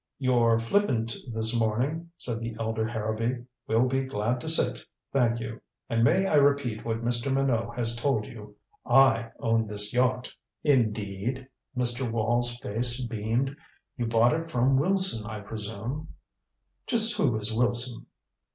"You're flippant this morning," said the elder Harrowby. "We'll be glad to sit, thank you. And may I repeat what Mr. Minot has told you I own this yacht." "Indeed?" Mr. Wall's face beamed. "You bought it from Wilson, I presume." "Just who is Wilson?"